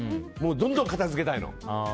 どんどん片づけたいの。